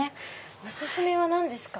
お薦めは何ですか？